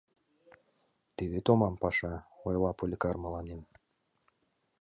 — Тиде томам паша, — ойла Поликар мыланем.